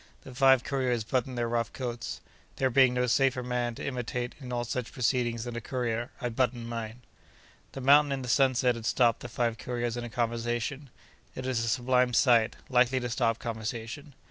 The five couriers buttoned their rough coats. There being no safer man to imitate in all such proceedings than a courier, I buttoned mine. The mountain in the sunset had stopped the five couriers in a conversation. It is a sublime sight, likely to stop conversation.